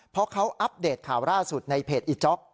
เพราะเขาอัปเดตข่าวล่าสุดในเพจอีจ๊อก